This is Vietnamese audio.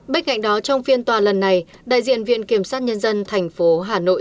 bên cạnh đó trong phiên tòa lần này đại diện viện kiểm sát nhân dân thành phố hà nội